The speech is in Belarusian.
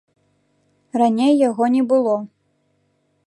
Раней яго не было.